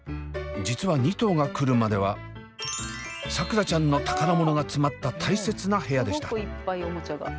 実は２頭が来るまでは桜ちゃんの宝物が詰まった大切な部屋でした。